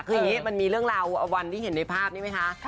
คืออย่างนี้มันมีเรื่องราววันที่เห็นในภาพนี้ไหมคะ